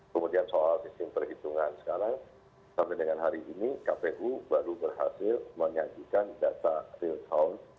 kemudian soal sistem perhitungan sekarang sampai dengan hari ini kpu baru berhasil menyajikan data real count